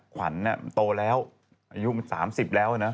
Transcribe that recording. ขวัญโตแล้วอายุมัน๓๐แล้วนะ